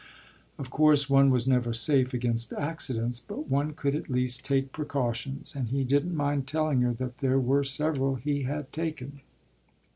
Of course one was never safe against accidents, but one could at least take precautions, and he didn't mind telling her that there were several he had taken.